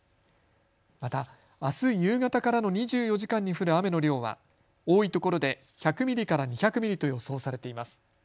また、あす夕方からの２４時間に降る雨の量は多いところで１００ミリから２００ミリと予想されています。